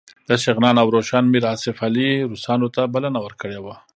د شغنان او روشان میر آصف علي روسانو ته بلنه ورکړې وه.